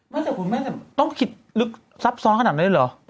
มันแต่คุณแม่งจะต้องคิดลึกซับซ้อนขนาดนั้นได้หรอ